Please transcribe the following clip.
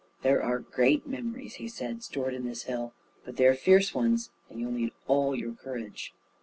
"There are great memories," he said, "stored in this hill, but they are fierce ones, and you'll need all your courage."